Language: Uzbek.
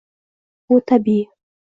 Bu– tabiiy.